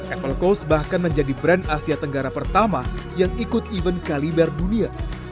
apple coast bahkan menjadi brand asia tenggara pertama yang ikut event kaliber dunia